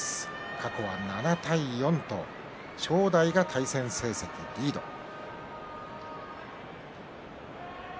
過去は７対４と正代が対戦成績リードです。